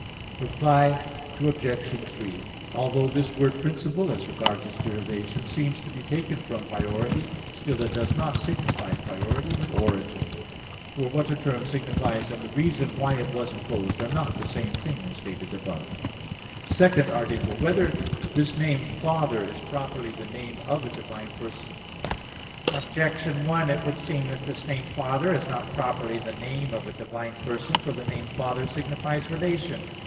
Reply Obj. 3: Although this word principle, as regards its derivation, seems to be taken from priority, still it does not signify priority, but origin. For what a term signifies, and the reason why it was imposed, are not the same thing, as stated above (Q. 13, A. 8). _______________________ SECOND ARTICLE [I, Q. 33, Art. 2] Whether This Name "Father" Is Properly the Name of a Divine Person? Objection 1: It would seem that this name "Father" is not properly the name of a divine person. For the name "Father" signifies relation.